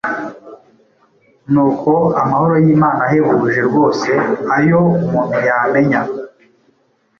Nuko amahoro y’Imana, ahebuje rwose ayo umuntu yamenya,